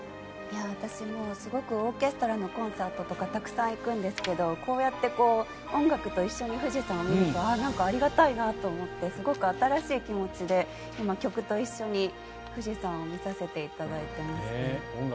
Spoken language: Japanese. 私もすごくオーケストラのコンサートとかたくさん行くんですけどこうやって音楽と一緒に富士山を見るとなんかありがたいなと思ってすごく新しい気持ちで曲と一緒に富士山を見させていただいてますね。